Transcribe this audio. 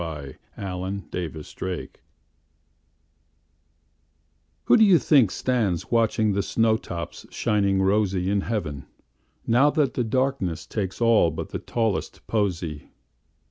Everlasting Flowers WHO do you think stands watchingThe snow tops shining rosyIn heaven, now that the darknessTakes all but the tallest posy?